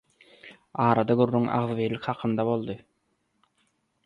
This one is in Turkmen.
Arada gürrüň agzybirlik hakynda boldy.